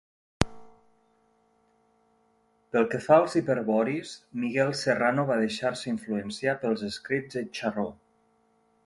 Pel que fa als hiperboris, Miguel Serrano va deixar-se influenciar pels escrits de Charroux.